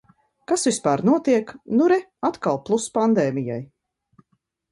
Kas vispār notiek? Nu re, atkal plus pandēmijai.